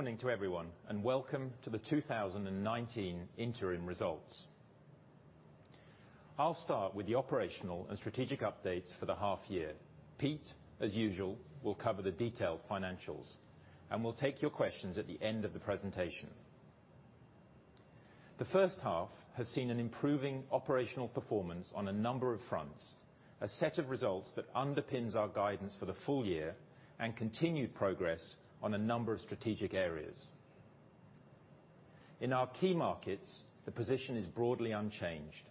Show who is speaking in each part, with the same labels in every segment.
Speaker 1: Morning to everyone, welcome to the 2019 interim results. I'll start with the operational and strategic updates for the half year. Pete, as usual, will cover the detailed financials, and we'll take your questions at the end of the presentation. The first half has seen an improving operational performance on a number of fronts, a set of results that underpins our guidance for the full year, and continued progress on a number of strategic areas. In our key markets, the position is broadly unchanged.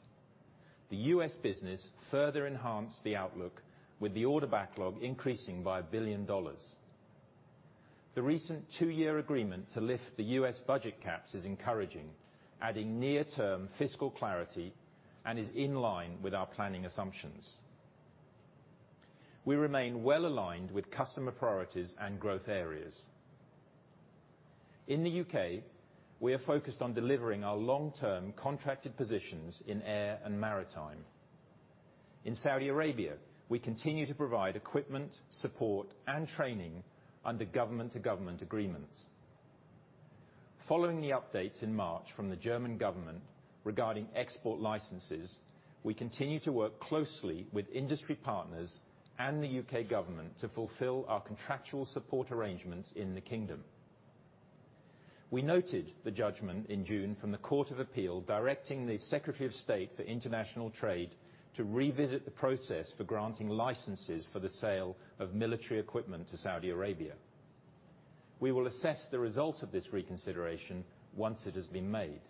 Speaker 1: The U.S. business further enhanced the outlook with the order backlog increasing by $1 billion. The recent 2-year agreement to lift the U.S. budget caps is encouraging, adding near-term fiscal clarity, and is in line with our planning assumptions. We remain well-aligned with customer priorities and growth areas. In the U.K., we are focused on delivering our long-term contracted positions in air and maritime. In Saudi Arabia, we continue to provide equipment, support, and training under government-to-government agreements. Following the updates in March from the German government regarding export licenses, we continue to work closely with industry partners and the U.K. government to fulfill our contractual support arrangements in the kingdom. We noted the judgment in June from the Court of Appeal directing the Secretary of State for International Trade to revisit the process for granting licenses for the sale of military equipment to Saudi Arabia. We will assess the result of this reconsideration once it has been made.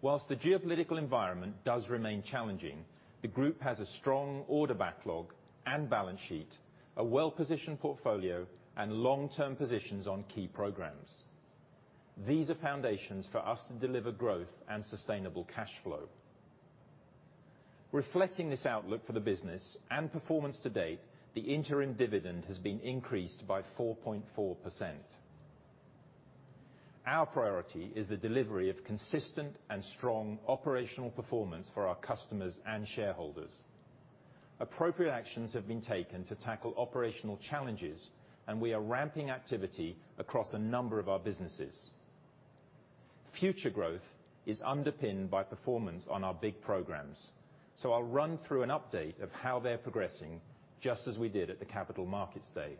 Speaker 1: Whilst the geopolitical environment does remain challenging, the group has a strong order backlog and balance sheet, a well-positioned portfolio, and long-term positions on key programs. These are foundations for us to deliver growth and sustainable cash flow. Reflecting this outlook for the business and performance to date, the interim dividend has been increased by 4.4%. Our priority is the delivery of consistent and strong operational performance for our customers and shareholders. Appropriate actions have been taken to tackle operational challenges, and we are ramping activity across a number of our businesses. Future growth is underpinned by performance on our big programs. I'll run through an update of how they're progressing, just as we did at the Capital Markets Day.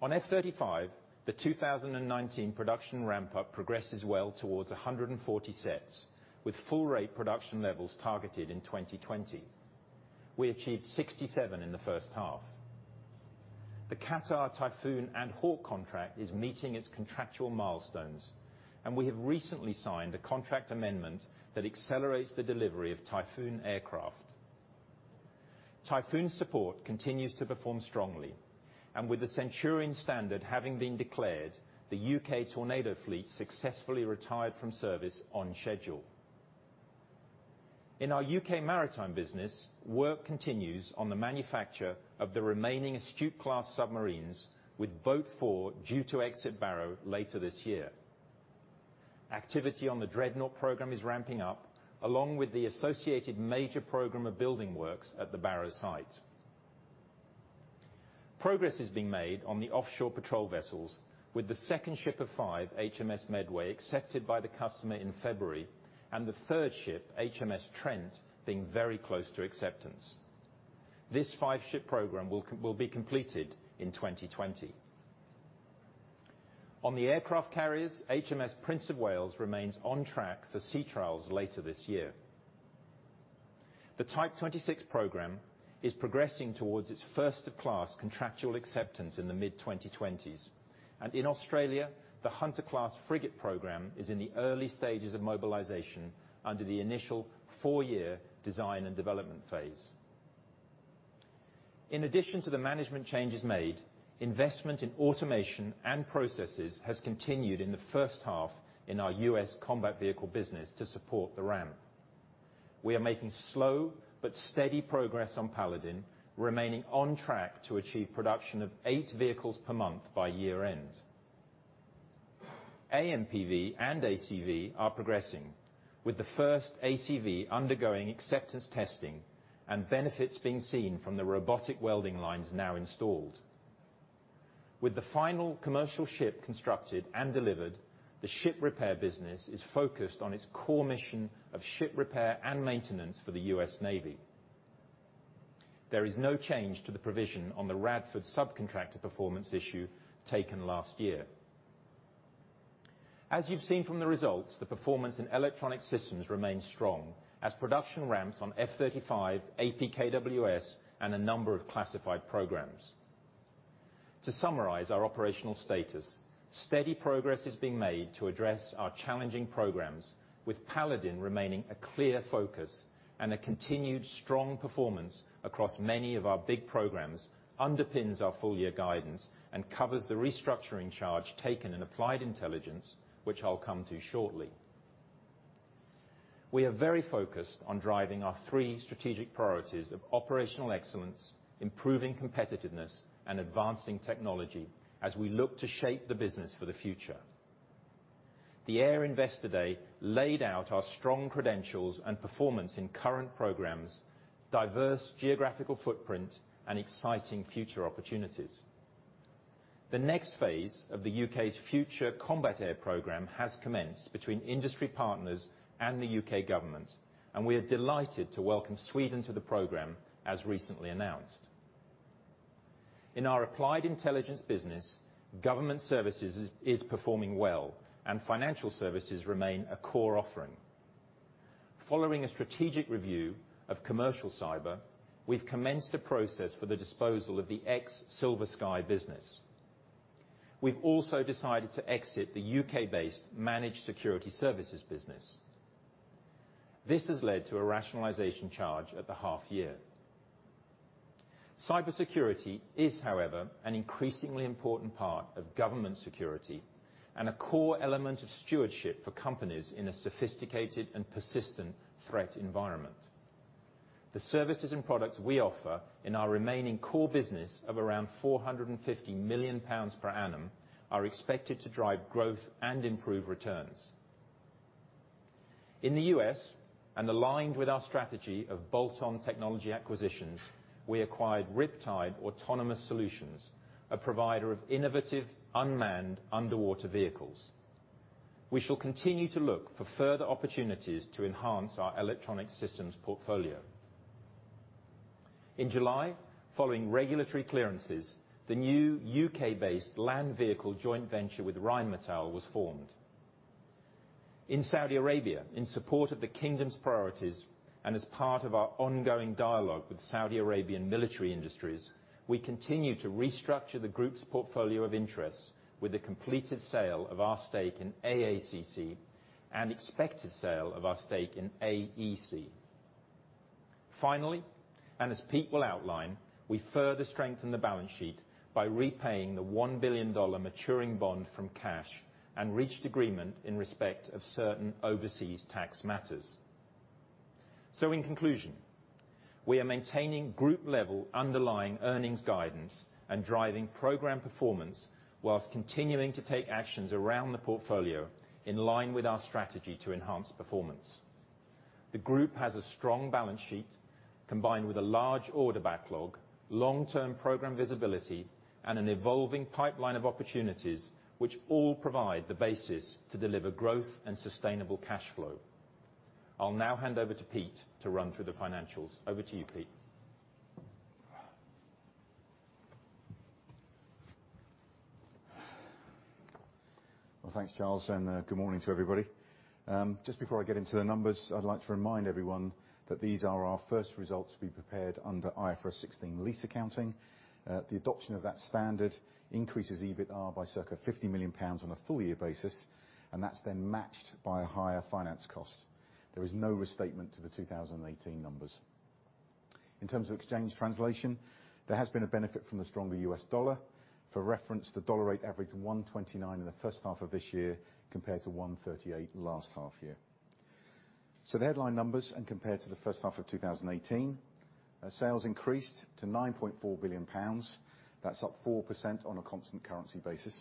Speaker 1: On F-35, the 2019 production ramp-up progresses well towards 140 sets, with full rate production levels targeted in 2020. We achieved 67 in the first half. The Qatar Typhoon and Hawk contract is meeting its contractual milestones, and we have recently signed a contract amendment that accelerates the delivery of Typhoon aircraft. Typhoon support continues to perform strongly, with the Centurion standard having been declared, the U.K. Tornado fleet successfully retired from service on schedule. In our U.K. maritime business, work continues on the manufacture of the remaining Astute-class submarines, with Boat 4 due to exit Barrow later this year. Activity on the Dreadnought program is ramping up, along with the associated major program of building works at the Barrow site. Progress is being made on the offshore patrol vessels with the second ship of five, HMS Medway, accepted by the customer in February, and the third ship, HMS Trent, being very close to acceptance. This five-ship program will be completed in 2020. On the aircraft carriers, HMS Prince of Wales remains on track for sea trials later this year. The Type 26 program is progressing towards its first-of-class contractual acceptance in the mid-2020s. In Australia, the Hunter-class frigate program is in the early stages of mobilization under the initial four-year design and development phase. In addition to the management changes made, investment in automation and processes has continued in the first half in our U.S. combat vehicle business to support the ramp. We are making slow but steady progress on Paladin, remaining on track to achieve production of eight vehicles per month by year-end. AMPV and ACV are progressing, with the first ACV undergoing acceptance testing and benefits being seen from the robotic welding lines now installed. With the final commercial ship constructed and delivered, the ship repair business is focused on its core mission of ship repair and maintenance for the U.S. Navy. There is no change to the provision on the Radford subcontractor performance issue taken last year. As you've seen from the results, the performance in Electronic Systems remains strong as production ramps on F-35, APKWS, and a number of classified programs. To summarize our operational status, steady progress is being made to address our challenging programs, with Paladin remaining a clear focus, and a continued strong performance across many of our big programs underpins our full-year guidance and covers the restructuring charge taken in Applied Intelligence, which I'll come to shortly. We are very focused on driving our three strategic priorities of operational excellence, improving competitiveness, and advancing technology as we look to shape the business for the future. The Air Capital Markets Day laid out our strong credentials and performance in current programs, diverse geographical footprint, and exciting future opportunities. The next phase of the U.K.'s Future Combat Air program has commenced between industry partners and the U.K. government, and we are delighted to welcome Sweden to the program, as recently announced. In our Applied Intelligence business, government services is performing well, and financial services remain a core offering. Following a strategic review of commercial cyber, we've commenced a process for the disposal of the X SilverSky business. We've also decided to exit the U.K.-based managed security services business. This has led to a rationalization charge at the half year. Cybersecurity is, however, an increasingly important part of government security and a core element of stewardship for companies in a sophisticated and persistent threat environment. The services and products we offer in our remaining core business of around 450 million pounds per annum are expected to drive growth and improve returns. In the U.S., aligned with our strategy of bolt-on technology acquisitions, we acquired Riptide Autonomous Solutions, a provider of innovative unmanned underwater vehicles. We shall continue to look for further opportunities to enhance our electronic systems portfolio. In July, following regulatory clearances, the new U.K.-based land vehicle joint venture with Rheinmetall was formed. In Saudi Arabia, in support of the kingdom's priorities, as part of our ongoing dialogue with Saudi Arabian Military Industries, we continue to restructure the group's portfolio of interests with the completed sale of our stake in AACC and expected sale of our stake in AEC. Finally, as Pete will outline, we further strengthen the balance sheet by repaying the $1 billion maturing bond from cash and reached agreement in respect of certain overseas tax matters. In conclusion, we are maintaining group-level underlying earnings guidance and driving program performance while continuing to take actions around the portfolio in line with our strategy to enhance performance. The group has a strong balance sheet combined with a large order backlog, long-term program visibility, and an evolving pipeline of opportunities, which all provide the basis to deliver growth and sustainable cash flow. I will now hand over to Pete to run through the financials. Over to you, Pete.
Speaker 2: Well, thanks, Charles, and good morning to everybody. Just before I get into the numbers, I would like to remind everyone that these are our first results to be prepared under IFRS 16 lease accounting. The adoption of that standard increases EBITR by circa 50 million pounds on a full-year basis, and that is then matched by a higher finance cost. There is no restatement to the 2018 numbers. In terms of exchange translation, there has been a benefit from the stronger US dollar. For reference, the dollar rate averaged 129 in the first half of this year, compared to 138 last half year. The headline numbers and compared to the first half of 2018, our sales increased to 9.4 billion pounds. That is up 4% on a constant currency basis.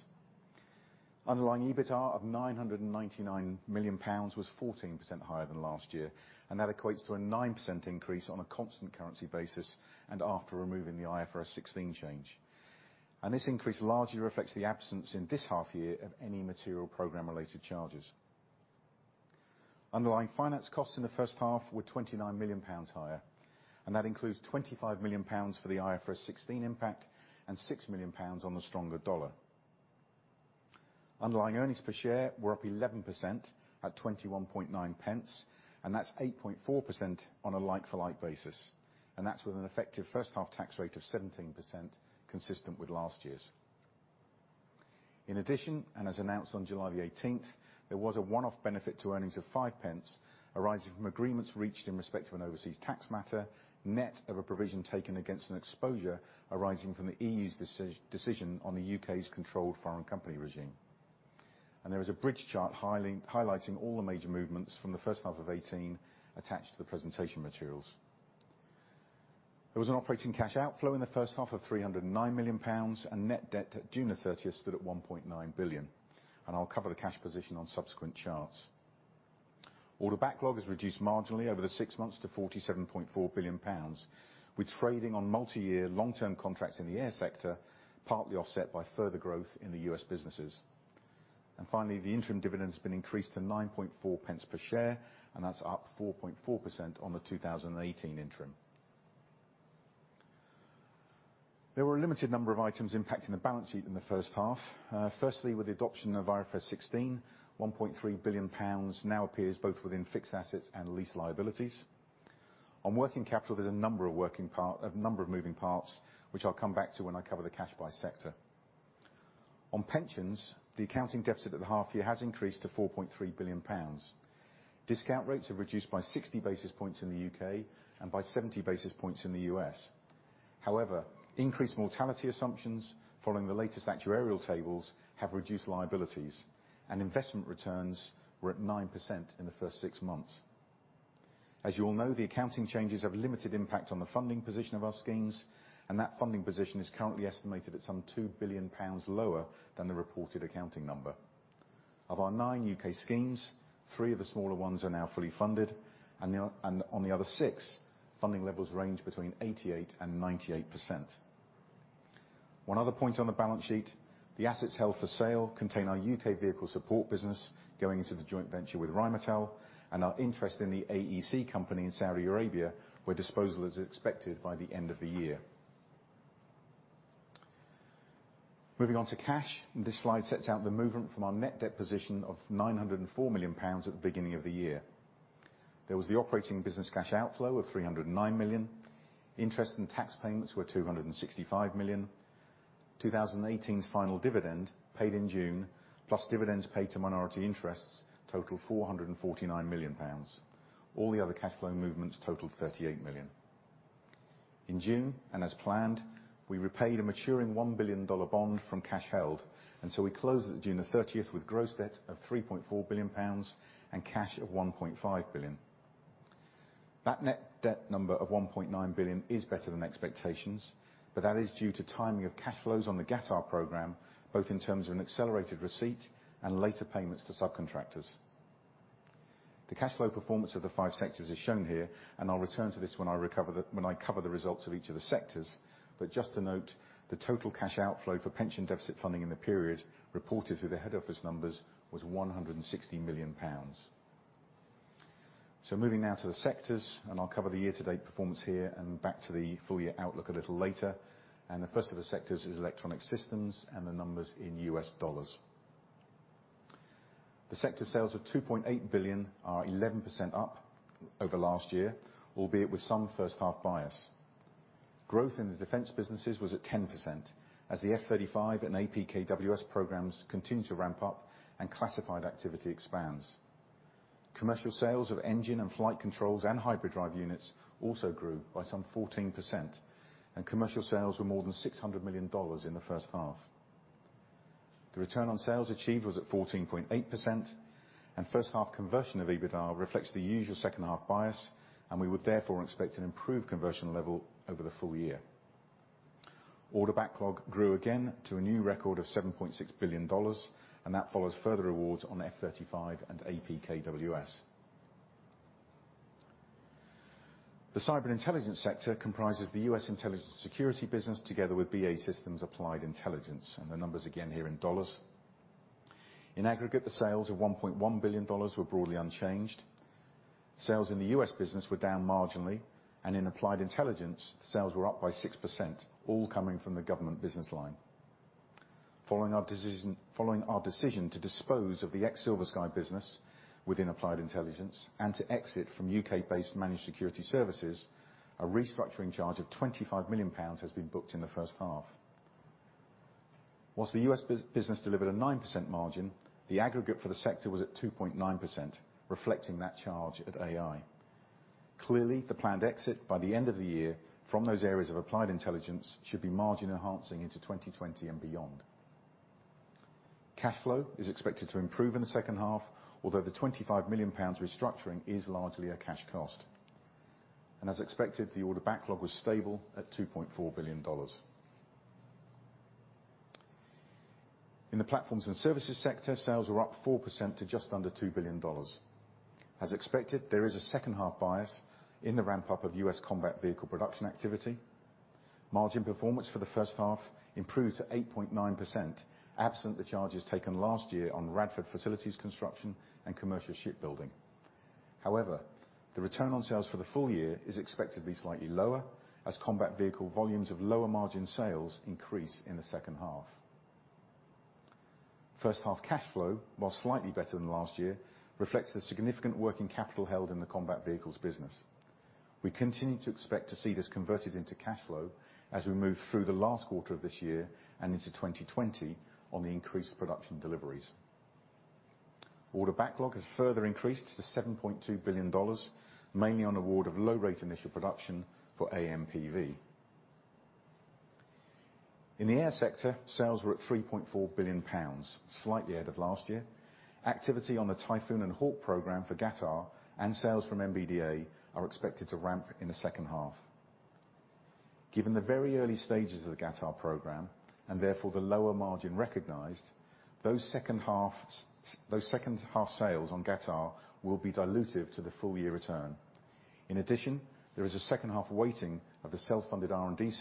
Speaker 2: Underlying EBITR of 999 million pounds was 14% higher than last year. That equates to a 9% increase on a constant currency basis and after removing the IFRS 16 change. This increase largely reflects the absence in this half year of any material program-related charges. Underlying finance costs in the first half were 29 million pounds higher. That includes 25 million pounds for the IFRS 16 impact and 6 million pounds on the stronger USD. Underlying earnings per share were up 11% at 0.219. That's 8.4% on a like-for-like basis. That's with an effective first half tax rate of 17%, consistent with last year's. In addition, as announced on July the 18th, there was a one-off benefit to earnings of 0.05 arising from agreements reached in respect of an overseas tax matter, net of a provision taken against an exposure arising from the EU's decision on the U.K.'s Controlled Foreign Company Regime. There is a bridge chart highlighting all the major movements from the first half of 2018 attached to the presentation materials. There was an operating cash outflow in the first half of 309 million pounds, and net debt at June the 30th stood at 1.9 billion. I will cover the cash position on subsequent charts. Order backlog is reduced marginally over the six months to 47.4 billion pounds, with trading on multi-year long-term contracts in the air sector partly offset by further growth in the U.S. businesses. Finally, the interim dividend has been increased to 0.094 per share, and that's up 4.4% on the 2018 interim. There were a limited number of items impacting the balance sheet in the first half. Firstly, with the adoption of IFRS 16, 1.3 billion pounds now appears both within fixed assets and lease liabilities. On working capital, there's a number of moving parts, which I'll come back to when I cover the cash by sector. On pensions, the accounting deficit at the half year has increased to 4.3 billion pounds. Discount rates have reduced by 60 basis points in the U.K. and by 70 basis points in the U.S. However, increased mortality assumptions following the latest actuarial tables have reduced liabilities, and investment returns were at 9% in the first six months. As you all know, the accounting changes have limited impact on the funding position of our schemes, and that funding position is currently estimated at some £2 billion lower than the reported accounting number. Of our nine UK schemes, three of the smaller ones are now fully funded, and on the other six, funding levels range between 88% and 98%. One other point on the balance sheet, the assets held for sale contain our UK vehicle support business going into the joint venture with Rheinmetall and our interest in the AEC company in Saudi Arabia, where disposal is expected by the end of the year. Moving on to cash, this slide sets out the movement from our net debt position of 904 million pounds at the beginning of the year. There was the operating business cash outflow of 309 million. Interest and tax payments were 265 million. 2018's final dividend, paid in June, plus dividends paid to minority interests totaled 449 million pounds. All the other cash flow movements totaled 38 million. In June, as planned, we repaid a maturing $1 billion bond from cash held, so we closed at June 30th with gross debt of 3.4 billion pounds and cash of 1.5 billion. That net debt number of 1.9 billion is better than expectations, that is due to timing of cash flows on the Qatar program, both in terms of an accelerated receipt and later payments to subcontractors. The cash flow performance of the five sectors is shown here. I'll return to this when I cover the results of each of the sectors. Just to note, the total cash outflow for pension deficit funding in the period reported through the head office numbers was 160 million pounds. Moving now to the sectors. I'll cover the year-to-date performance here and back to the full-year outlook a little later. The first of the sectors is electronic systems and the numbers in U.S. dollars. The sector sales of $2.8 billion are 11% up over last year, albeit with some first-half bias. Growth in the defense businesses was at 10% as the F-35 and APKWS programs continue to ramp up and classified activity expands. Commercial sales of engine and flight controls and hybrid drive units also grew by some 14%. Commercial sales were more than $600 million in the first half. The return on sales achieved was at 14.8%. First half conversion of EBITDA reflects the usual second-half bias. We would therefore expect an improved conversion level over the full year. Order backlog grew again to a new record of $7.6 billion. That follows further awards on F-35 and APKWS. The cyber intelligence sector comprises the U.S. intelligence security business together with BAE Systems Applied Intelligence. The numbers again here in dollars. In aggregate, the sales of $1.1 billion were broadly unchanged. Sales in the U.S. business were down marginally. In Applied Intelligence, sales were up by 6%, all coming from the government business line. Following our decision to dispose of the ex-SilverSky business within Applied Intelligence and to exit from U.K.-based Managed Security Services, a restructuring charge of 25 million pounds has been booked in the first half. Whilst the U.S. business delivered a 9% margin, the aggregate for the sector was at 2.9%, reflecting that charge at AI. The planned exit by the end of the year from those areas of Applied Intelligence should be margin enhancing into 2020 and beyond. Cash flow is expected to improve in the second half, although the 25 million pounds restructuring is largely a cash cost. As expected, the order backlog was stable at $2.4 billion. In the platforms and services sector, sales were up 4% to just under $2 billion. As expected, there is a second half bias in the ramp-up of U.S. combat vehicle production activity. Margin performance for the first half improved to 8.9%, absent the charges taken last year on Radford facilities construction and commercial shipbuilding. The return on sales for the full year is expected to be slightly lower as combat vehicle volumes of lower margin sales increase in the second half. First half cash flow, while slightly better than last year, reflects the significant working capital held in the combat vehicles business. We continue to expect to see this converted into cash flow as we move through the last quarter of this year and into 2020 on the increased production deliveries. Order backlog has further increased to $7.2 billion, mainly on award of low rate initial production for AMPV. In the air sector, sales were at 3.4 billion pounds, slightly ahead of last year. Activity on the Typhoon and Hawk program for Qatar and sales from MBDA are expected to ramp in the second half. Given the very early stages of the Qatar program, and therefore the lower margin recognized, those second half sales on Qatar will be dilutive to the full year return. There is a second half weighting of the self-funded R&D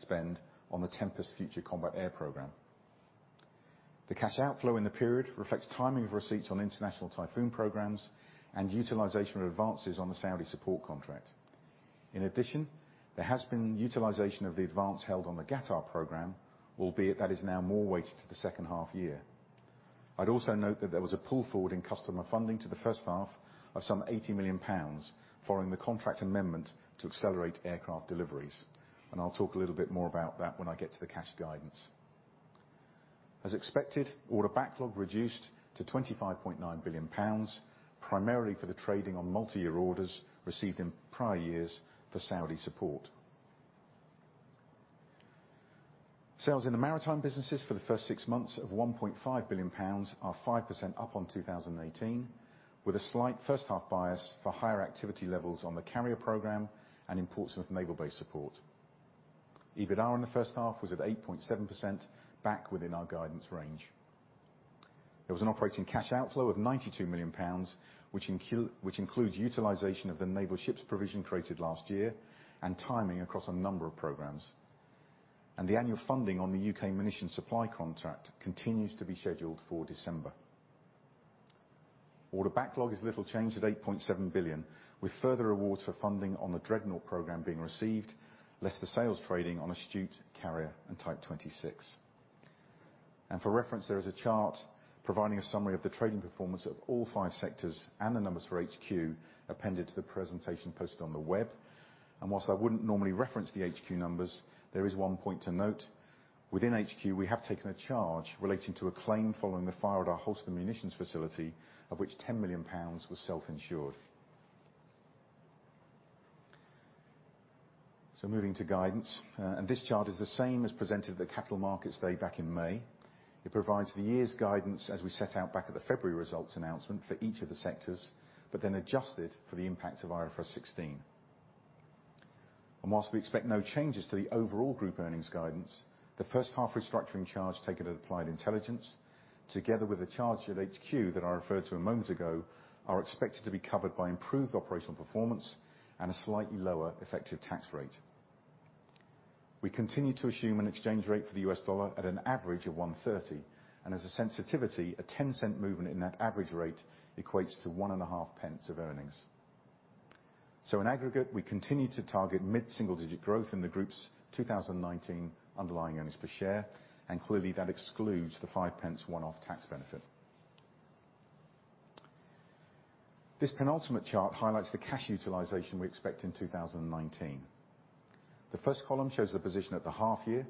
Speaker 2: spend on the Tempest Future Combat Air program. The cash outflow in the period reflects timing of receipts on international Typhoon programs and utilization of advances on the Saudi support contract. There has been utilization of the advance held on the Qatar program, albeit that is now more weighted to the second half year. There was a pull forward in customer funding to the first half of some 80 million pounds following the contract amendment to accelerate aircraft deliveries. I'll talk a little bit more about that when I get to the cash guidance. As expected, order backlog reduced to 25.9 billion pounds, primarily for the trading on multi-year orders received in prior years for Saudi support. Sales in the maritime businesses for the first six months of 1.5 billion pounds are 5% up on 2018, with a slight first-half bias for higher activity levels on the carrier program and in Portsmouth naval base support. EBITDA in the first half was at 8.7%, back within our guidance range. There was an operating cash outflow of 92 million pounds, which includes utilization of the naval ships provision created last year and timing across a number of programs. The annual funding on the U.K. munition supply contract continues to be scheduled for December. Order backlog is little changed at 8.7 billion, with further awards for funding on the Dreadnought program being received, less the sales trading on Astute, Carrier, and Type 26. For reference, there is a chart providing a summary of the trading performance of all five sectors and the numbers for HQ appended to the presentation posted on the web. Whilst I wouldn't normally reference the HQ numbers, there is one point to note. Within HQ, we have taken a charge relating to a claim following the fire at our Holston munitions facility, of which 10 million pounds was self-insured. Moving to guidance, this chart is the same as presented at the Capital Markets Day back in May. It provides the year's guidance as we set out back at the February results announcement for each of the sectors, adjusted for the impact of IFRS 16. Whilst we expect no changes to the overall group earnings guidance, the first half restructuring charge taken at Applied Intelligence, together with the charge at HQ that I referred to a moment ago, are expected to be covered by improved operational performance and a slightly lower effective tax rate. We continue to assume an exchange rate for the US dollar at an average of 130, and as a sensitivity, a $0.10 movement in that average rate equates to 0.015 of earnings. In aggregate, we continue to target mid-single-digit growth in the group's 2019 underlying earnings per share, and clearly that excludes the 0.05 one-off tax benefit. This penultimate chart highlights the cash utilization we expect in 2019. The first column shows the position at the half year.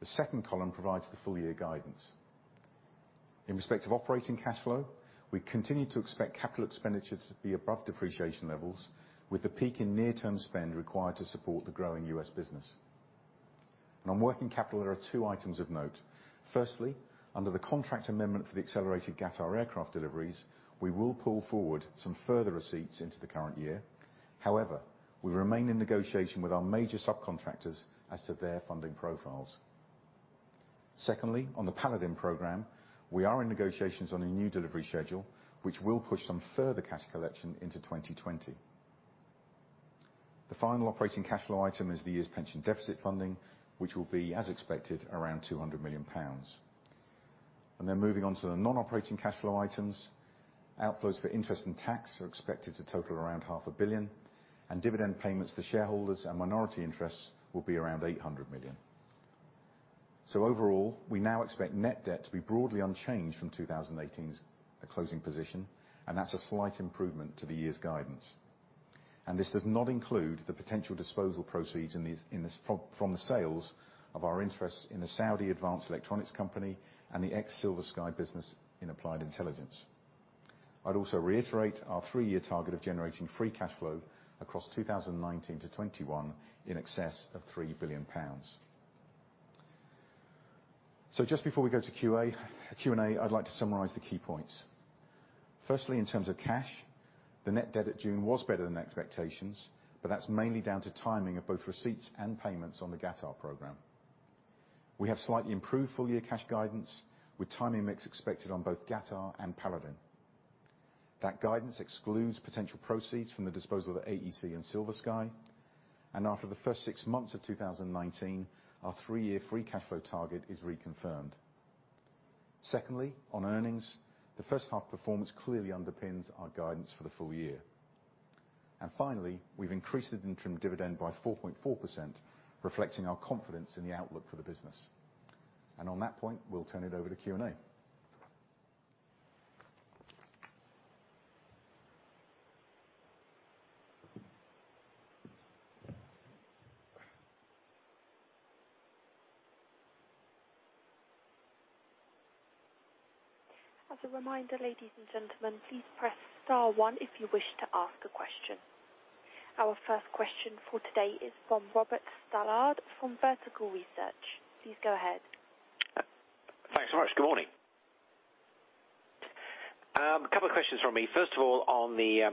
Speaker 2: The second column provides the full year guidance. In respect of operating cash flow, we continue to expect capital expenditures to be above depreciation levels, with a peak in near-term spend required to support the growing U.S. business. On working capital, there are two items of note. Firstly, under the contract amendment for the accelerated Qatar aircraft deliveries, we will pull forward some further receipts into the current year. We remain in negotiation with our major subcontractors as to their funding profiles. Secondly, on the Paladin program, we are in negotiations on a new delivery schedule, which will push some further cash collection into 2020. The final operating cash flow item is the year's pension deficit funding, which will be, as expected, around 200 million pounds. Moving on to the non-operating cash flow items, outflows for interest and tax are expected to total around 0.5 billion, and dividend payments to shareholders and minority interests will be around 800 million. Overall, we now expect net debt to be broadly unchanged from 2018's closing position, and that's a slight improvement to the year's guidance. This does not include the potential disposal proceeds from the sales of our interest in the Saudi Advanced Electronics Company and the ex-SilverSky business in Applied Intelligence. I'd also reiterate our three-year target of generating free cash flow across 2019 to 2021 in excess of 3 billion pounds. Just before we go to Q&A, I'd like to summarize the key points. Firstly, in terms of cash, the net debt at June was better than expectations, but that's mainly down to timing of both receipts and payments on the Qatar program. We have slightly improved full-year cash guidance, with timing mix expected on both Qatar and Paladin. That guidance excludes potential proceeds from the disposal of the AEC and SilverSky. After the first six months of 2019, our three-year free cash flow target is reconfirmed. Secondly, on earnings, the first half performance clearly underpins our guidance for the full year. Finally, we've increased the interim dividend by 4.4%, reflecting our confidence in the outlook for the business. On that point, we'll turn it over to Q&A.
Speaker 3: As a reminder, ladies and gentlemen, please press star one if you wish to ask a question. Our first question for today is from Robert Stallard from Vertical Research. Please go ahead.
Speaker 4: Thanks so much. Good morning. A couple of questions from me. First of all, on the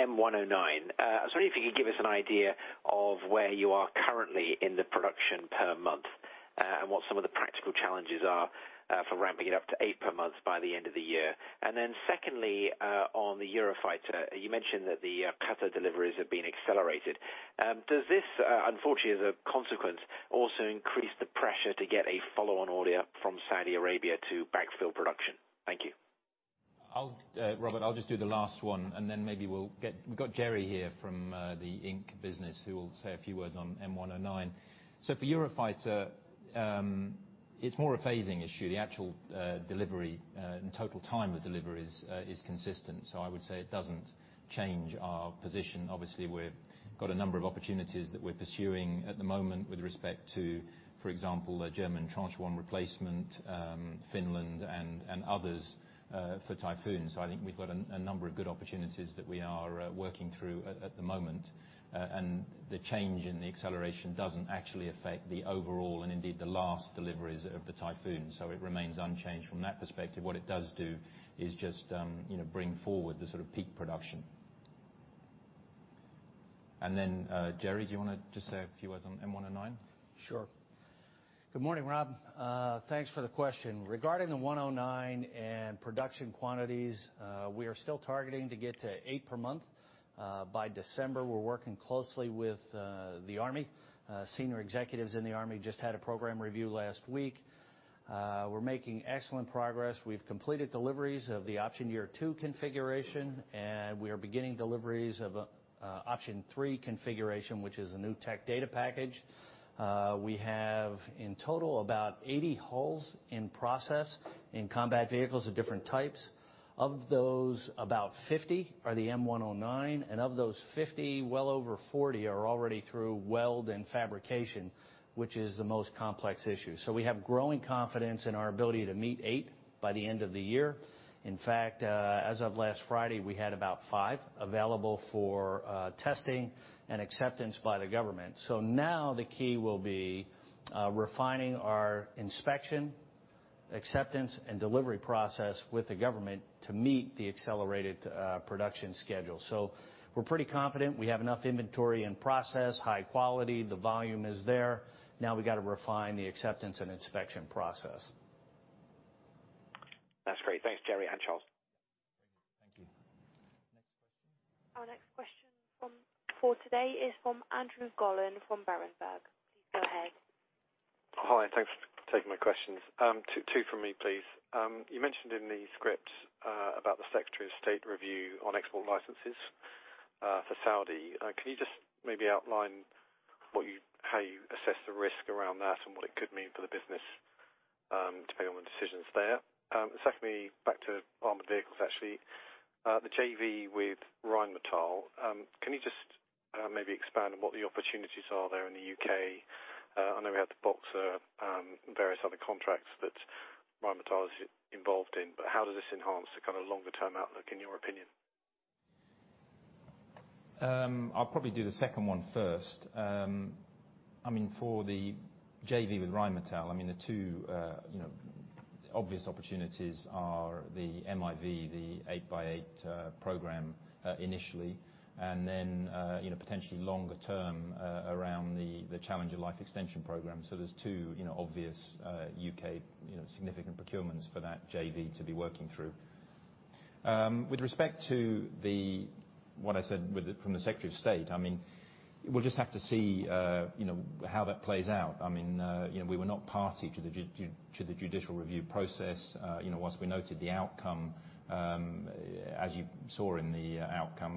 Speaker 4: M109. I was wondering if you could give us an idea of where you are currently in the production per month, and what some of the practical challenges are for ramping it up to eight per month by the end of the year. Secondly, on the Eurofighter, you mentioned that the Qatar deliveries have been accelerated. Does this, unfortunately, as a consequence, also increase the pressure to get a follow-on order from Saudi Arabia to backfill production? Thank you.
Speaker 1: Robert, I'll just do the last one, and then maybe we've got Jerry here from the Inc. business, who will say a few words on M109. For Eurofighter, it's more a phasing issue. The actual delivery and total time of deliveries is consistent. I would say it doesn't change our position. Obviously, we've got a number of opportunities that we're pursuing at the moment with respect to, for example, the German tranche one replacement, Finland, and others for Typhoon. I think we've got a number of good opportunities that we are working through at the moment. The change in the acceleration doesn't actually affect the overall, and indeed, the last deliveries of the Typhoon. It remains unchanged from that perspective. What it does do is just bring forward the peak production.
Speaker 2: Jerry, do you want to just say a few words on M109?
Speaker 5: Sure. Good morning, Rob. Thanks for the question. Regarding the M109 and production quantities, we are still targeting to get to 8 per month by December. We're working closely with the U.S. Army. Senior executives in the U.S. Army just had a program review last week. We're making excellent progress. We've completed deliveries of the option year 2 configuration, and we are beginning deliveries of option 3 configuration, which is a new tech data package. We have in total about 80 hulls in process in combat vehicles of different types. Of those, about 50 are the M109, and of those 50, well over 40 are already through weld and fabrication, which is the most complex issue. We have growing confidence in our ability to meet 8 by the end of the year. In fact, as of last Friday, we had about five available for testing and acceptance by the government. Now the key will be refining our inspection, acceptance, and delivery process with the government to meet the accelerated production schedule. We're pretty confident. We have enough inventory in process, high quality, the volume is there. Now we got to refine the acceptance and inspection process.
Speaker 4: That's great. Thanks, Jerry and Charles.
Speaker 5: Thank you.
Speaker 1: Next question.
Speaker 3: Our next question for today is from Andrew Gollan from Berenberg. Please go ahead.
Speaker 6: Hi, thanks for taking my questions. Two for me, please. You mentioned in the script about the Secretary of State review on export licenses for Saudi. Can you just maybe outline how you assess the risk around that and what it could mean for the business, depending on the decisions there? Secondly, back to armored vehicles, actually. The JV with Rheinmetall, can you just maybe expand on what the opportunities are there in the U.K.? I know we had the Boxer, various other contracts that Rheinmetall is involved in, how does this enhance the longer-term outlook in your opinion?
Speaker 1: I'll probably do the second one first. For the JV with Rheinmetall, the two obvious opportunities are the MIV, the 8x8 program initially, and then potentially longer term around the Challenger life extension program. There's two obvious U.K. significant procurements for that JV to be working through. With respect to what I said from the Secretary of State, we'll just have to see how that plays out. We were not party to the judicial review process. Once we noted the outcome, as you saw in the outcome,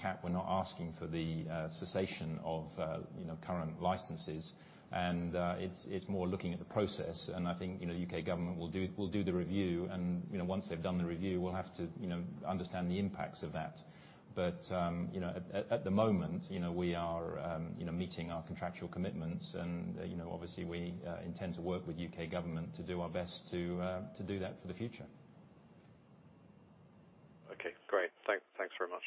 Speaker 1: CAAT were not asking for the cessation of current licenses. It's more looking at the process, and I think, U.K. government will do the review, and once they've done the review, we'll have to understand the impacts of that.
Speaker 2: At the moment, we are meeting our contractual commitments and obviously we intend to work with U.K. government to do our best to do that for the future.
Speaker 6: Okay, great. Thanks very much.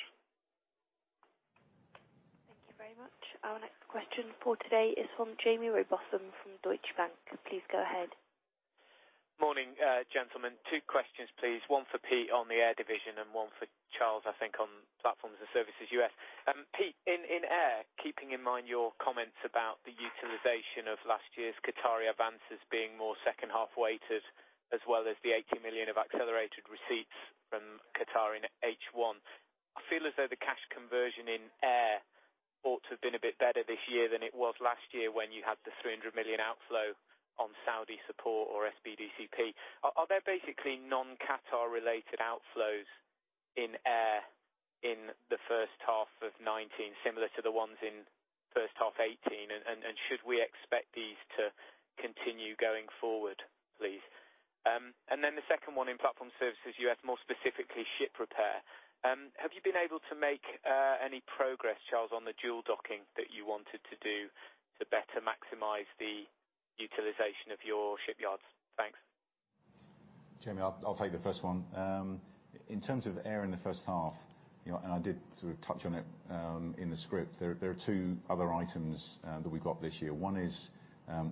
Speaker 3: Thank you very much. Our next question for today is from Jamie Rowbotham from Deutsche Bank. Please go ahead.
Speaker 7: Morning, gentlemen. Two questions, please. One for Pete on the Air division and one for Charles, I think on Platforms and Services U.S. Pete, in Air, keeping in mind your comments about the utilization of last year's Qatari advances being more second half-weighted, as well as the 18 million of accelerated receipts from Qatar in H1, I feel as though the cash conversion in Air ought to have been a bit better this year than it was last year when you had the 300 million outflow on Saudi support or SBDCP. Are there basically non-Qatar related outflows in Air in the first half of 2019, similar to the ones in first half 2018, and should we expect these to continue going forward, please? Then the second one in Platforms and Services U.S., more specifically ship repair. Have you been able to make any progress, Charles, on the dual docking that you wanted to do to better maximize the utilization of your shipyards? Thanks.
Speaker 2: Jamie, I'll take the first one. In terms of Air in the first half, I did sort of touch on it in the script. There are two other items that we've got this year. One is,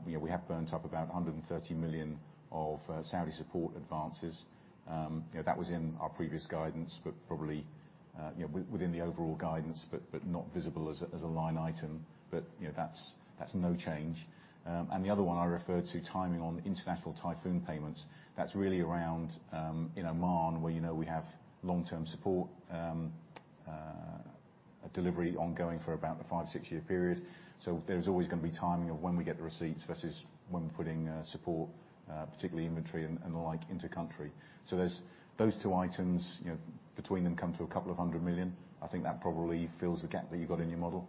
Speaker 2: we have burnt up about 130 million of Saudi support advances. That was in our previous guidance, probably within the overall guidance but not visible as a line item. That's no change. The other one I referred to timing on international Typhoon payments. That's really around in Oman where we have long-term support, delivery ongoing for about a five, six-year period. There's always going to be timing of when we get the receipts versus when we're putting support, particularly inventory and the like, into country. Those two items, between them come to 200 million. I think that probably fills the gap that you got in your model.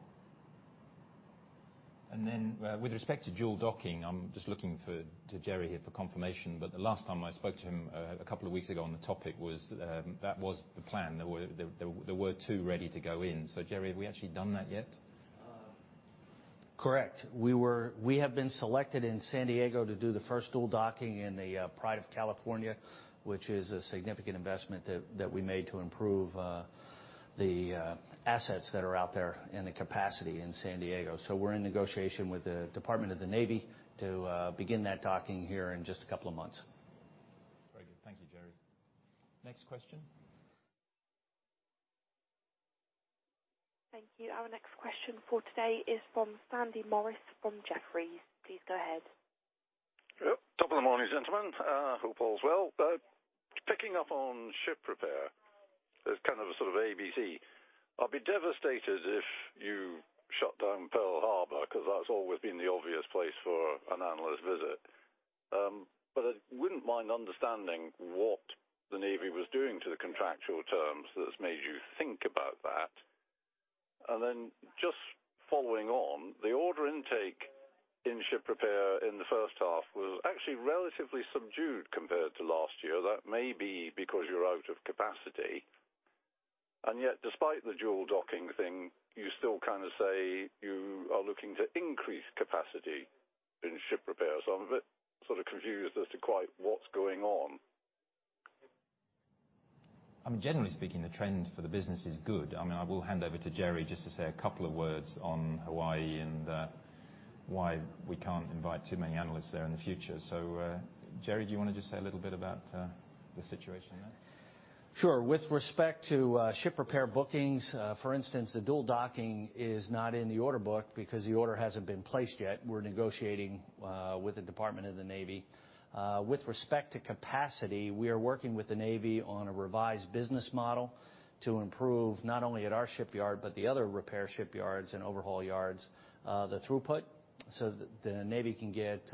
Speaker 1: Then, with respect to dual docking, I'm just looking to Jerry here for confirmation, but the last time I spoke to him a couple of weeks ago on the topic was that was the plan. There were two ready to go in. Jerry, have we actually done that yet? Correct. We have been selected in San Diego to do the first dual docking in the Pride of California, which is a significant investment that we made to improve the assets that are out there and the capacity in San Diego. We're in negotiation with the Department of the Navy to begin that docking here in just a couple of months. Very good. Thank you, Jerry. Next question.
Speaker 3: Thank you. Our next question for today is from Sandy Morris from Jefferies. Please go ahead.
Speaker 8: Yep. Top of the morning, gentlemen. Hope all is well. Picking up on ship repair, as kind of a sort of ABC, I'll be devastated if you shut down Pearl Harbor because that's always been the obvious place for an analyst visit. I wouldn't mind understanding what the Navy was doing to the contractual terms that has made you think about that. Just following on, the order intake in ship repair in the first half was actually relatively subdued compared to last year. That may be because you're out of capacity. Despite the dual docking thing, you still kind of say you are looking to increase capacity in ship repairs. I'm a bit sort of confused as to quite what's going on.
Speaker 1: I mean, generally speaking, the trend for the business is good. I will hand over to Gerry just to say a couple of words on Hawaii and why we can't invite too many analysts there in the future. Gerry, do you want to just say a little bit about the situation there?
Speaker 5: With respect to ship repair bookings, for instance, the dual docking is not in the order book because the order hasn't been placed yet. We're negotiating with the Department of the Navy. With respect to capacity, we are working with the Navy on a revised business model to improve not only at our shipyard, but the other repair shipyards and overhaul yards, the throughput, so the Navy can get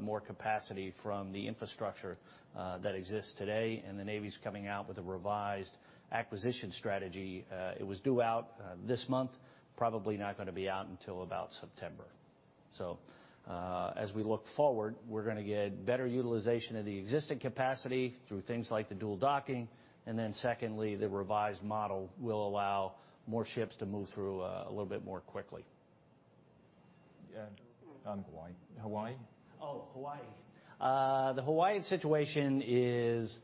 Speaker 5: more capacity from the infrastructure that exists today. The Navy's coming out with a revised acquisition strategy. It was due out this month, probably not going to be out until about September. As we look forward, we're going to get better utilization of the existing capacity through things like the dual docking. Secondly, the revised model will allow more ships to move through a little bit more quickly.
Speaker 1: Yeah. On Hawaii.
Speaker 5: Hawaii. The Hawaii situation is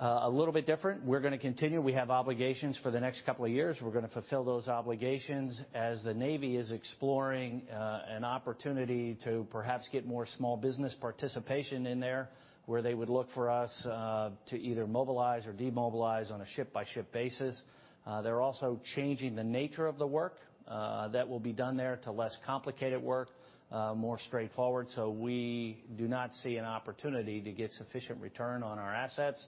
Speaker 5: a little bit different. We're going to continue. We have obligations for the next couple of years. We're going to fulfill those obligations as the Navy is exploring an opportunity to perhaps get more small business participation in there, where they would look for us to either mobilize or demobilize on a ship-by-ship basis. They're also changing the nature of the work that will be done there to less complicated work, more straightforward. We do not see an opportunity to get sufficient return on our assets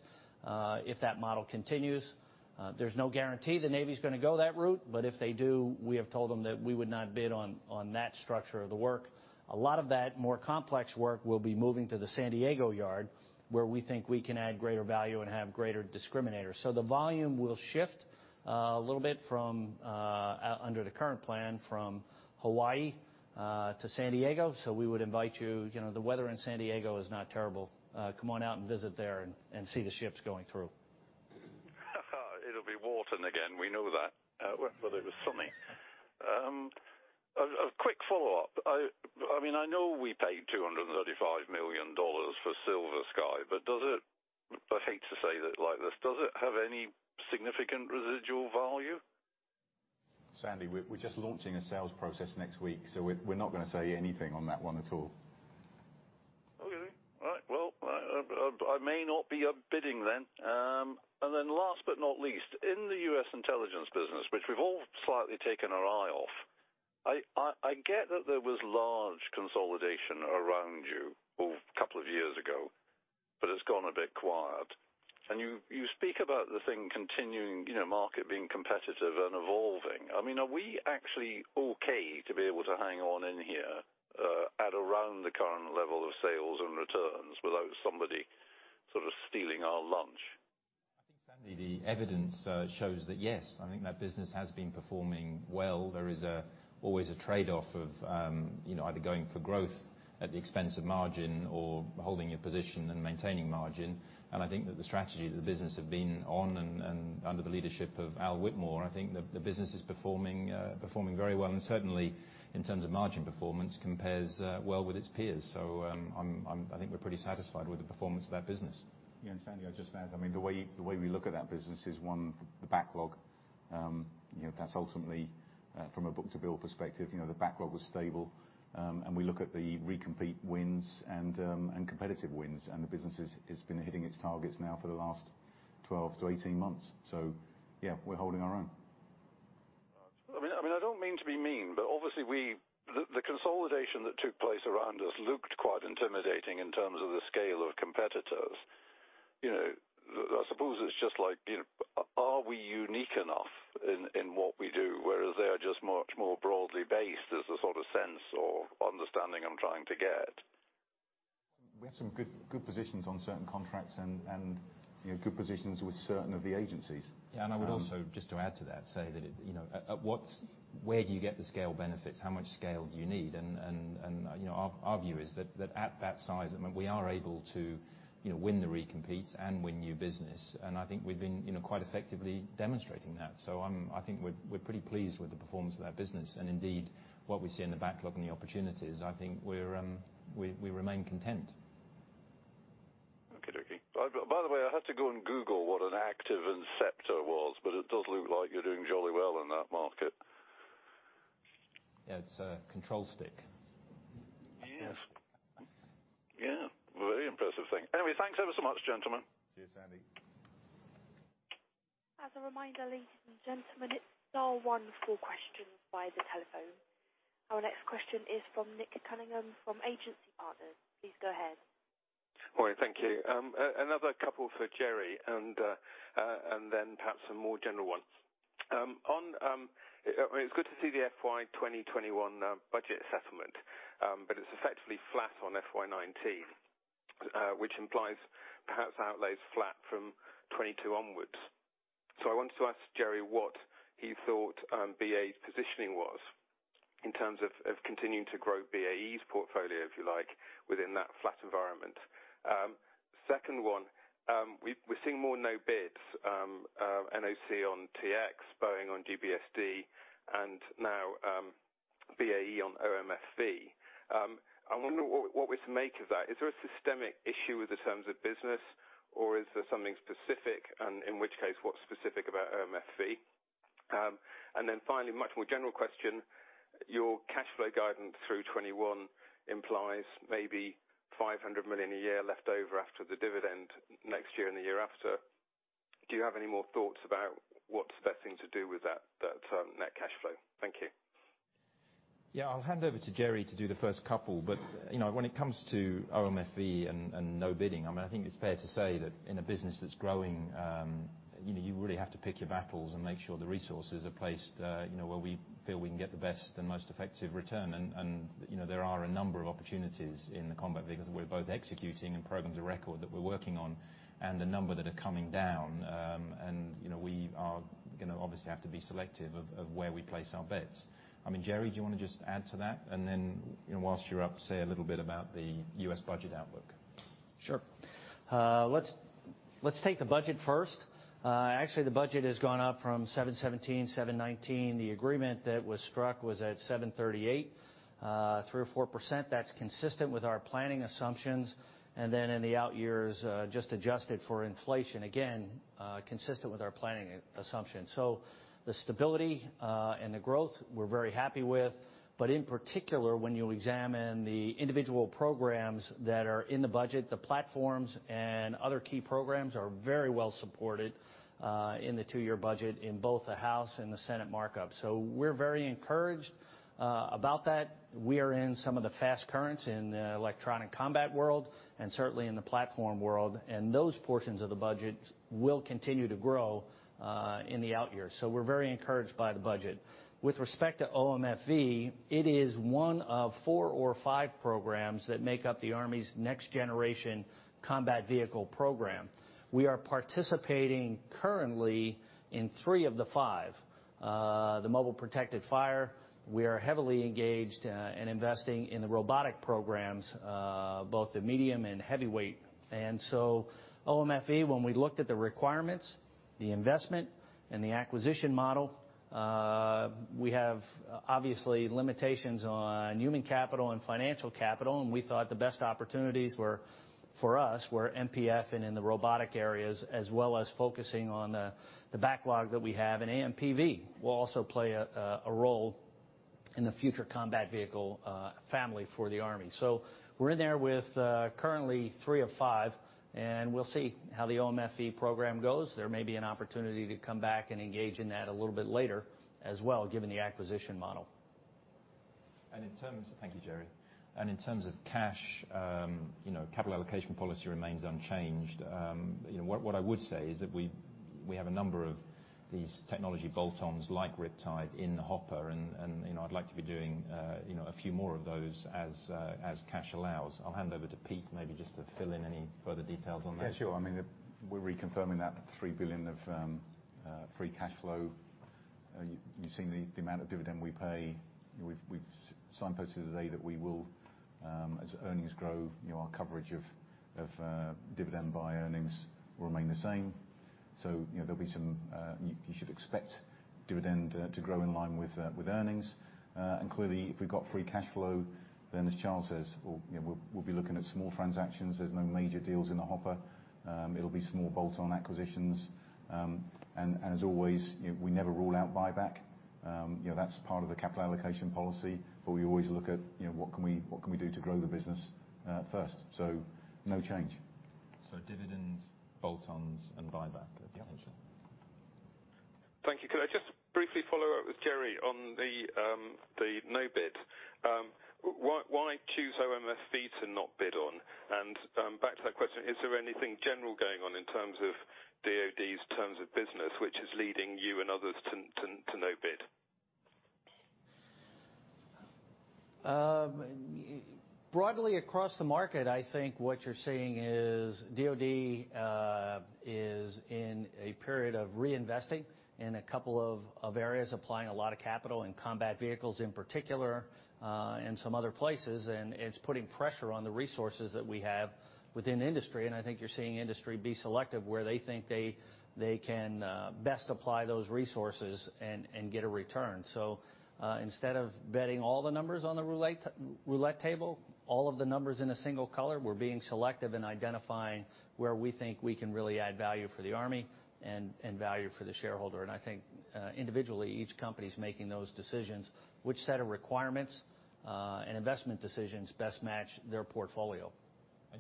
Speaker 5: if that model continues. There's no guarantee the Navy's going to go that route, if they do, we have told them that we would not bid on that structure of the work. A lot of that more complex work will be moving to the San Diego yard, where we think we can add greater value and have greater discriminators. The volume will shift a little bit under the current plan from Hawaii to San Diego. We would invite you. The weather in San Diego is not terrible. Come on out and visit there and see the ships going through.
Speaker 8: It'll be Warton again, we know that. It was sunny. A quick follow-up. I know we paid $235 million for SilverSky, but I hate to say it like this, does it have any significant residual value?
Speaker 1: Sandy, we're just launching a sales process next week, so we're not going to say anything on that one at all.
Speaker 8: Okay. All right. Well, I may not be bidding then. Then last but not least, in the U.S. intelligence business, which we've all slightly taken our eye off, I get that there was large consolidation around you a couple of years ago, but it's gone a bit quiet. You speak about the thing continuing, market being competitive and evolving. Are we actually okay to be able to hang on in here at around the current level of sales and returns without somebody sort of stealing our lunch?
Speaker 1: I think, Sandy, the evidence shows that, yes, I think that business has been performing well. There is always a trade-off of either going for growth at the expense of margin or holding your position and maintaining margin. I think that the strategy that the business has been on and under the leadership of Al Whitmore, I think the business is performing very well. Certainly in terms of margin performance compares well with its peers. I think we're pretty satisfied with the performance of that business.
Speaker 2: Yeah, Sandy, I'd just add, the way we look at that business is one, the backlog. That's ultimately from a book-to-bill perspective, the backlog was stable. We look at the recompete wins and competitive wins, and the business has been hitting its targets now for the last 12 to 18 months. Yeah, we're holding our own.
Speaker 8: I mean, I don't mean to be mean, but obviously the consolidation that took place around us looked quite intimidating in terms of the scale of competitors. I suppose it's just like, are we unique enough in what we do, whereas they are just much more broadly based is the sort of sense or understanding I'm trying to get.
Speaker 2: We have some good positions on certain contracts and good positions with certain of the agencies.
Speaker 1: Yeah, I would also, just to add to that, say that where do you get the scale benefits? How much scale do you need? Our view is that at that size, we are able to win the recompetes and win new business. I think we've been quite effectively demonstrating that. I think we're pretty pleased with the performance of that business. Indeed, what we see in the backlog and the opportunities, I think we remain content.
Speaker 8: Okey-dokey. I had to go and Google what an active inceptor was. It does look like you're doing jolly well in that market.
Speaker 1: Yeah, it's a control stick.
Speaker 8: Yes. Yeah, very impressive thing. Thanks ever so much, gentlemen.
Speaker 2: Cheers, Andy.
Speaker 3: As a reminder, ladies and gentlemen, it is star one for questions via the telephone. Our next question is from Nick Cunningham from Agency Partners. Please go ahead.
Speaker 9: Morning. Thank you. Another couple for Jerry, and then perhaps a more general one. It is good to see the FY 2021 budget settlement, but it is effectively flat on FY 2019, which implies perhaps outlays flat from 2022 onwards. I wanted to ask Jerry what he thought BAE's positioning was in terms of continuing to grow BAE's portfolio, if you like, within that flat environment. Second one, we are seeing more no bids, NOC on T-X, Boeing on GBSD, and now BAE on OMFV. I wonder what we are to make of that. Is there a systemic issue with the terms of business, or is there something specific? In which case, what is specific about OMFV? Finally, much more general question, your cash flow guidance through 2021 implies maybe 500 million a year left over after the dividend next year and the year after. Do you have any more thoughts about what's best thing to do with that net cash flow? Thank you.
Speaker 1: Yeah. I'll hand over to Jerry to do the first couple, but when it comes to OMFV and no bidding, I think it's fair to say that in a business that's growing, you really have to pick your battles and make sure the resources are placed where we feel we can get the best and most effective return. There are a number of opportunities in the combat vehicles that we're both executing and programs of record that we're working on and the number that are coming down, and we are going to obviously have to be selective of where we place our bets. Jerry, do you want to just add to that and then whilst you're up, say a little bit about the U.S. budget outlook?
Speaker 5: Sure. Let's take the budget first. Actually, the budget has gone up from $717, $719. The agreement that was struck was at $738, 3% or 4%. That's consistent with our planning assumptions. In the out years, just adjusted for inflation, again, consistent with our planning assumptions. The stability and the growth we're very happy with. In particular, when you examine the individual programs that are in the budget, the platforms and other key programs are very well supported, in the two-year budget in both the House and the Senate markup. We're very encouraged about that. We are in some of the fast currents in the electronic combat world and certainly in the platform world, and those portions of the budget will continue to grow in the out years. We're very encouraged by the budget. With respect to OMFV, it is one of four or five programs that make up the Army's Next Generation Combat Vehicle program. We are participating currently in three of the five. The Mobile Protected Firepower, we are heavily engaged in investing in the robotic programs, both the medium and heavyweight. OMFV, when we looked at the requirements, the investment, and the acquisition model, we have obviously limitations on human capital and financial capital, and we thought the best opportunities for us were MPF and in the robotic areas, as well as focusing on the backlog that we have in AMPV will also play a role in the future combat vehicle family for the Army. We're in there with currently three of five, and we'll see how the OMFV program goes. There may be an opportunity to come back and engage in that a little bit later as well, given the acquisition model.
Speaker 1: Thank you, Jerry. In terms of cash, capital allocation policy remains unchanged. What I would say is that we have a number of these technology bolt-ons like Riptide in the hopper, and I'd like to be doing a few more of those as cash allows. I'll hand over to Pete maybe just to fill in any further details on that.
Speaker 2: Yeah, sure. We're reconfirming that 3 billion of free cash flow. You've seen the amount of dividend we pay. We've signposted today that we will, as earnings grow, our coverage of dividend by earnings will remain the same. You should expect dividend to grow in line with earnings. Clearly, if we've got free cash flow, then as Charles says, we'll be looking at small transactions. There's no major deals in the hopper. It'll be small bolt-on acquisitions. As always, we never rule out buyback. That's part of the capital allocation policy, we always look at, what can we do to grow the business first? No change.
Speaker 1: Dividends, bolt-ons, and buyback potentially.
Speaker 9: Yeah. Thank you. Could I just briefly follow up with Jerry on the no bid? Why choose OMFV to not bid on? Back to that question, is there anything general going on in terms of DoD's terms of business which is leading you and others to no bid?
Speaker 5: Broadly across the market, I think what you're seeing is DoD is in a period of reinvesting in a couple of areas, applying a lot of capital in combat vehicles in particular, and some other places, and it's putting pressure on the resources that we have within the industry. I think you're seeing industry be selective where they think they can best apply those resources and get a return. Instead of betting all the numbers on the roulette table, all of the numbers in a single color, we're being selective and identifying where we think we can really add value for the Army and value for the shareholder. I think individually, each company's making those decisions, which set of requirements and investment decisions best match their portfolio.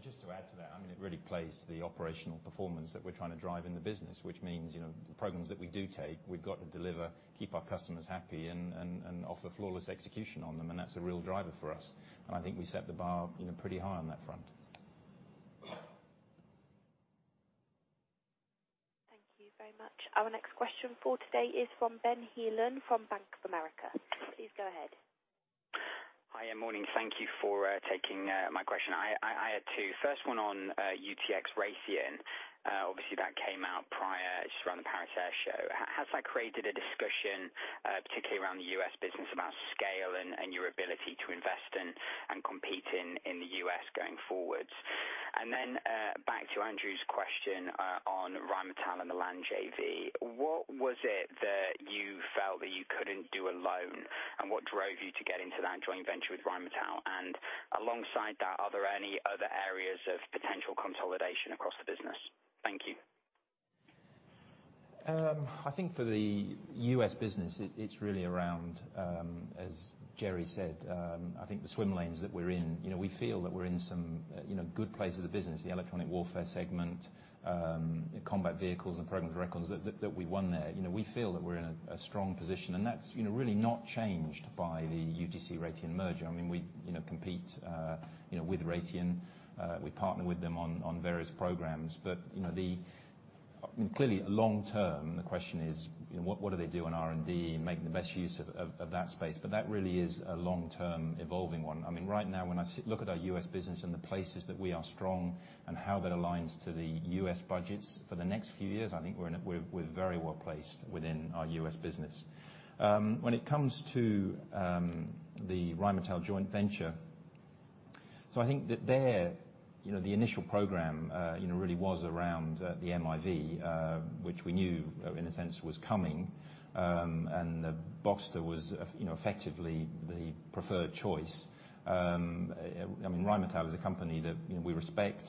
Speaker 1: Just to add to that, it really plays to the operational performance that we're trying to drive in the business, which means the programs that we do take, we've got to deliver, keep our customers happy, and offer flawless execution on them. That's a real driver for us. I think we set the bar pretty high on that front.
Speaker 3: Thank you very much. Our next question for today is from Ben Heelan from Bank of America. Please go ahead.
Speaker 10: Hi, morning. Thank you for taking my question. I had two. First one on UTC-Raytheon. Obviously, that came out prior, just around the Paris Air Show. Has that created a discussion, particularly around the U.S. business, about scale and your ability to invest in and compete in the U.S. going forward? Back to Andrew's question on Rheinmetall and the land JV. What was it that you felt that you couldn't do alone, and what drove you to get into that joint venture with Rheinmetall? Alongside that, are there any other areas of potential consolidation across the business? Thank you.
Speaker 1: For the U.S. business, it's really around, as Jerry said, I think the swim lanes that we're in. We feel that we're in some good places of the business, the electronic warfare segment, combat vehicles and programs of record that we've won there. We feel that we're in a strong position, that's really not changed by the UTC-Raytheon merger. We compete with Raytheon. We partner with them on various programs. Clearly, long term, the question is, what do they do on R&D and making the best use of that space? That really is a long-term evolving one. Right now, when I look at our U.S. business and the places that we are strong and how that aligns to the U.S. budgets for the next few years, I think we're very well-placed within our U.S. business. When it comes to the Rheinmetall joint venture, I think that there, the initial program really was around the MIV, which we knew, in a sense, was coming, and Boxer was effectively the preferred choice. Rheinmetall is a company that we respect,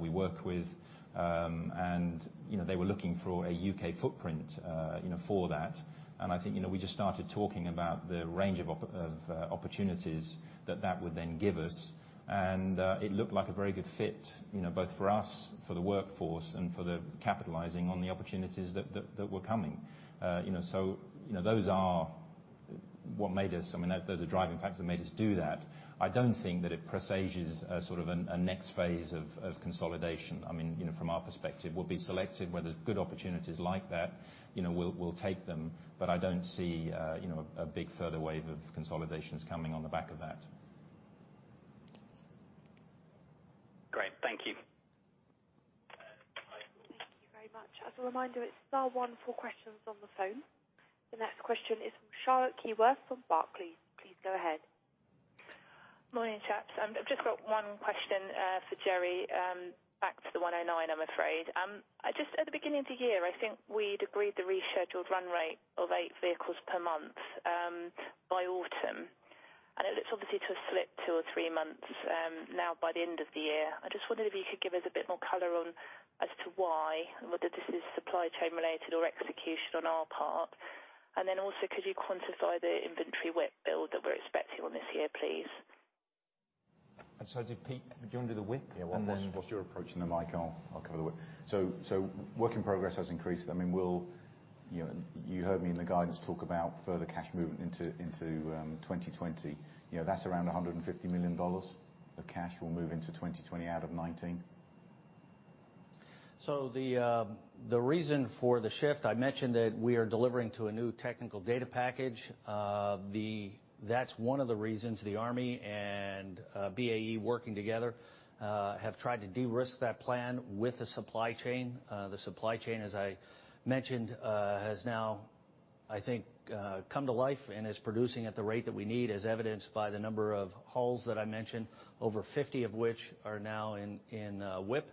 Speaker 1: we work with, and they were looking for a U.K. footprint for that. I think we just started talking about the range of opportunities that that would then give us, and it looked like a very good fit, both for us, for the workforce, and for the capitalizing on the opportunities that were coming. Those are the driving factors that made us do that. I don't think that it presages a next phase of consolidation. From our perspective, we'll be selective. Where there's good opportunities like that, we'll take them. I don't see a big further wave of consolidations coming on the back of that.
Speaker 10: Great. Thank you.
Speaker 3: Thank you very much. As a reminder, it is star one for questions on the phone. The next question is from Charlotte Keyworth from Barclays. Please go ahead.
Speaker 11: Morning, chaps. I've just got one question for Jerry. Back to the M109, I'm afraid. Just at the beginning of the year, I think we'd agreed the rescheduled run rate of eight vehicles per month by autumn, and it looks obviously to have slipped two or three months now by the end of the year. I just wondered if you could give us a bit more color on as to why, and whether this is supply chain related or execution on our part. Also, could you quantify the inventory WIP build that we're expecting on this here, please?
Speaker 1: Did Pete, would you want to do the WIP?
Speaker 2: Whilst you're approaching the mic, I'll cover the WIP. Work in progress has increased. You heard me in the guidance talk about further cash movement into 2020. That's around $150 million of cash will move into 2020 out of 2019.
Speaker 5: The reason for the shift, I mentioned that we are delivering to a new technical data package. That's one of the reasons the Army and BAE working together have tried to de-risk that plan with the supply chain. The supply chain, as I mentioned, has now, I think, come to life and is producing at the rate that we need, as evidenced by the number of hulls that I mentioned, over 50 of which are now in WIP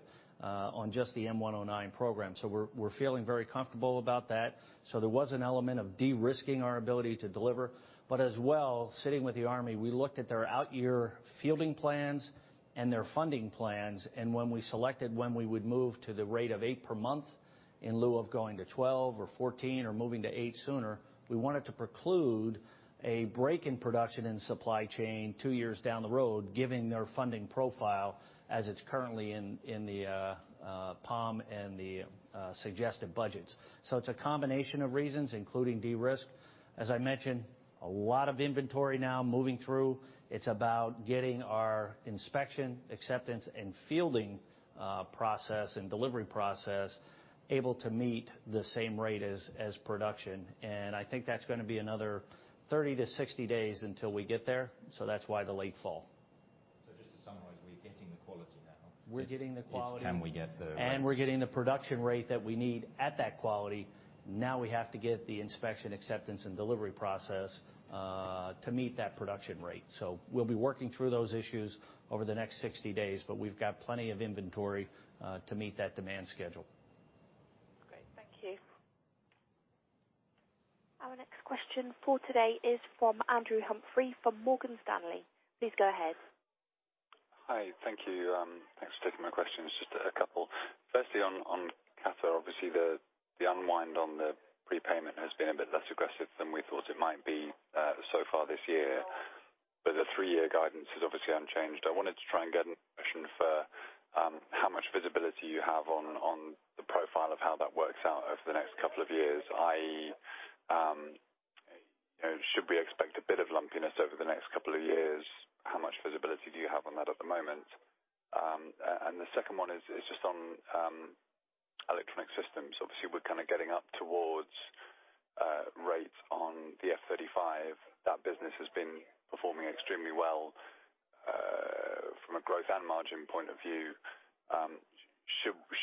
Speaker 5: on just the M109 program. We're feeling very comfortable about that. There was an element of de-risking our ability to deliver. As well, sitting with the Army, we looked at their out-year fielding plans and their funding plans, and when we selected when we would move to the rate of 8 per month in lieu of going to 12 or 14 or moving to 8 sooner, we wanted to preclude a break in production in supply chain two years down the road, given their funding profile as it's currently in the POM and the suggested budgets. It's a combination of reasons, including de-risk. As I mentioned, a lot of inventory now moving through. It's about getting our inspection, acceptance, and fielding process and delivery process able to meet the same rate as production. I think that's gonna be another 30-60 days until we get there. That's why the late fall.
Speaker 1: Just to summarize, we're getting the quality now.
Speaker 5: We're getting the quality.
Speaker 1: It's can we get the rate.
Speaker 5: We're getting the production rate that we need at that quality. Now we have to get the inspection, acceptance, and delivery process to meet that production rate. We'll be working through those issues over the next 60 days, but we've got plenty of inventory to meet that demand schedule.
Speaker 11: Great. Thank you.
Speaker 3: Our next question for today is from Andrew Humphrey from Morgan Stanley. Please go ahead.
Speaker 12: Hi. Thank you. Thanks for taking my question. On Qatar, obviously, the unwind on the prepayment has been a bit less aggressive than we thought it might be so far this year, but the three-year guidance is obviously unchanged. I wanted to try and get an impression for how much visibility you have on the profile of how that works out over the next couple of years, i.e., should we expect a bit of lumpiness over the next couple of years? How much visibility do you have on that at the moment? The second one is just on electronic systems. Obviously, we're kind of getting up towards rates on the F-35. That business has been performing extremely well from a growth and margin point of view.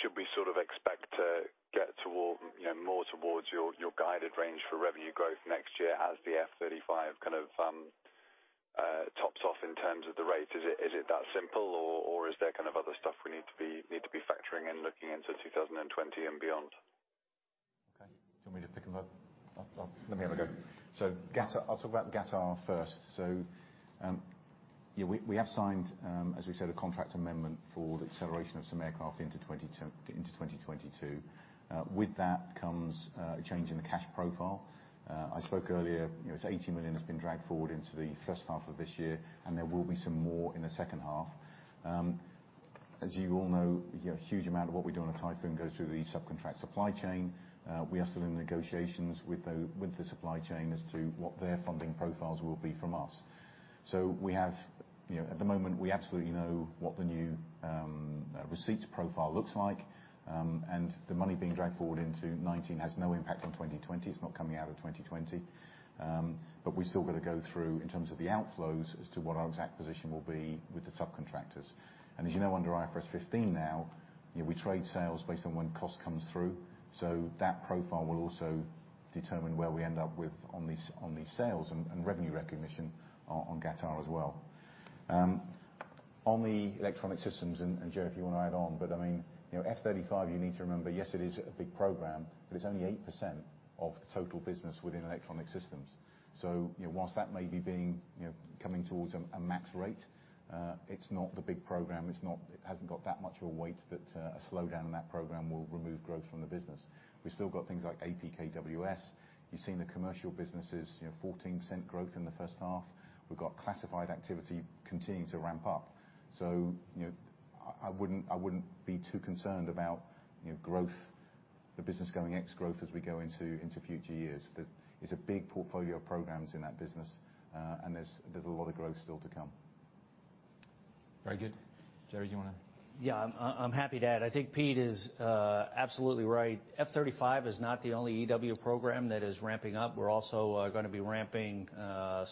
Speaker 12: Should we sort of expect to get more towards your guided range for revenue growth next year as the F-35 kind of tops off in terms of the rate? Is it that simple, or is there kind of other stuff we need to be factoring in looking into 2020 and beyond?
Speaker 2: Okay. Do you want me to pick them up? Let me have a go. I'll talk about Qatar first. We have signed, as we said, a contract amendment for the acceleration of some aircraft into 2022. With that comes a change in the cash profile. I spoke earlier, it's 80 million has been dragged forward into the first half of this year, and there will be some more in the second half. As you all know, a huge amount of what we do on the Typhoon goes through the subcontract supply chain. We are still in negotiations with the supply chain as to what their funding profiles will be from us. At the moment, we absolutely know what the new receipts profile looks like, and the money being dragged forward into 2019 has no impact on 2020. It's not coming out of 2020. We still got to go through, in terms of the outflows, as to what our exact position will be with the subcontractors. As you know, under IFRS 15 now, we trade sales based on when cost comes through. That profile will also determine where we end up with on the sales and revenue recognition on Qatar as well. On the electronic systems, Joe, if you want to add on, I mean, F-35, you need to remember, yes, it is a big program, but it's only 8% of the total business within electronic systems. Whilst that may be coming towards a max rate, it's not the big program. It hasn't got that much of a weight that a slowdown in that program will remove growth from the business. We've still got things like APKWS. You've seen the commercial businesses, 14% growth in the first half. We've got classified activity continuing to ramp up. I wouldn't be too concerned about the business going ex-growth as we go into future years. There's a big portfolio of programs in that business, and there's a lot of growth still to come.
Speaker 1: Very good. Jerry, do you want to?
Speaker 5: Yeah, I'm happy to add. I think Pete is absolutely right. F-35 is not the only EW program that is ramping up. We're also gonna be ramping,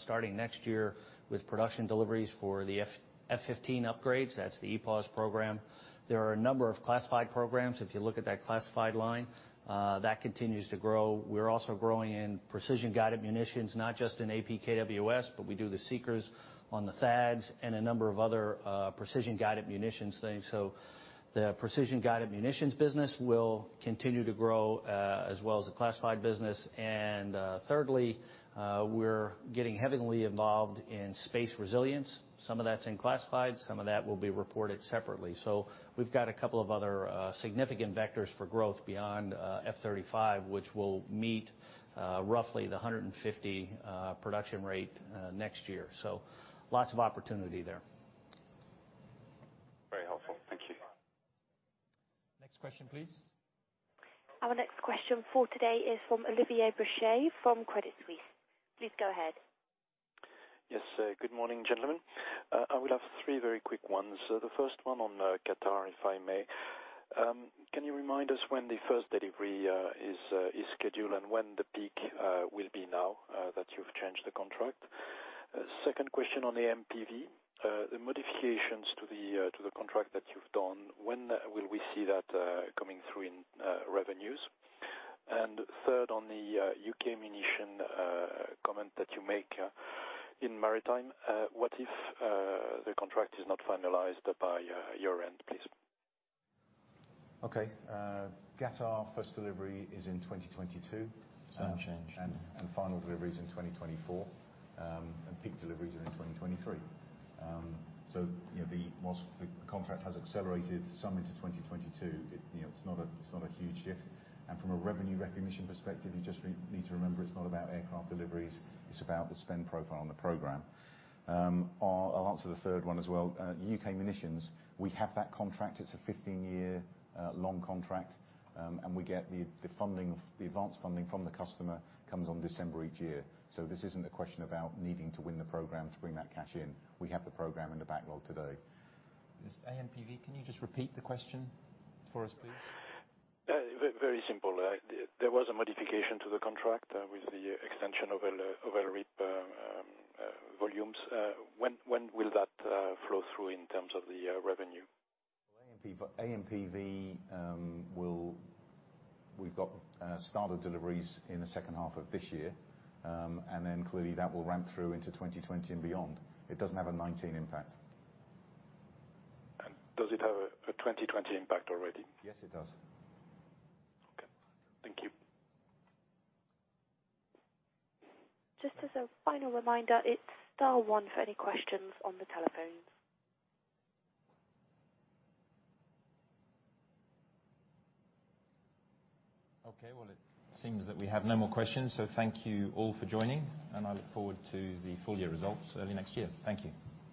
Speaker 5: starting next year with production deliveries for the F-15 upgrades. That's the EPAWSS program. There are a number of classified programs. If you look at that classified line, that continues to grow. We're also growing in precision-guided munitions, not just in APKWS, but we do the seekers on the THAAD and a number of other precision-guided munitions things. The precision-guided munitions business will continue to grow, as well as the classified business. Thirdly, we're getting heavily involved in space resilience. Some of that's in classified, some of that will be reported separately. We've got a couple of other significant vectors for growth beyond F-35, which will meet roughly the 150 production rate next year. Lots of opportunity there.
Speaker 12: Very helpful. Thank you.
Speaker 1: Next question, please.
Speaker 3: Our next question for today is from Olivier Brochet from Credit Suisse. Please go ahead.
Speaker 13: Yes. Good morning, gentlemen. I will have three very quick ones. The first one on Qatar, if I may. Can you remind us when the first delivery is scheduled and when the peak will be now that you've changed the contract? Second question on AMPV, the modifications to the contract that you've done, when will we see that coming through in revenues? Third, on the U.K. munition comment that you make in maritime, what if the contract is not finalized by your end, please?
Speaker 2: Okay. Qatar first delivery is in 2022.
Speaker 1: Same change.
Speaker 2: Final delivery is in 2024, and peak deliveries are in 2023. Whilst the contract has accelerated some into 2022, it's not a huge shift. From a revenue recognition perspective, you just need to remember, it's not about aircraft deliveries, it's about the spend profile on the program. I'll answer the third one as well. UK Munitions, we have that contract. It's a 15-year-long contract. The advanced funding from the customer comes on December each year. This isn't a question about needing to win the program to bring that cash in. We have the program in the backlog today.
Speaker 1: This AMPV, can you just repeat the question for us, please?
Speaker 13: Very simple. There was a modification to the contract with the extension of LRIP volumes. When will that flow through in terms of the revenue?
Speaker 2: For AMPV, we've got starter deliveries in the second half of this year. Clearly, that will ramp through into 2020 and beyond. It doesn't have a 2019 impact.
Speaker 13: Does it have a 2020 impact already?
Speaker 2: Yes, it does.
Speaker 13: Okay. Thank you.
Speaker 3: Just as a final reminder, it's star one for any questions on the telephone.
Speaker 1: Okay, well, it seems that we have no more questions. Thank you all for joining. I look forward to the full year results early next year. Thank you.